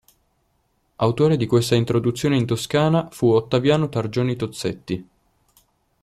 Autore di questa introduzione in Toscana fu Ottaviano Targioni-Tozzetti.